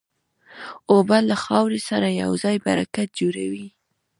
اوبه له خاورې سره یوځای برکت جوړوي.